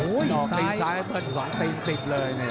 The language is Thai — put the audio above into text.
ออกทิ้งซ้ายเพิ่งสอนทิ้งติดเลย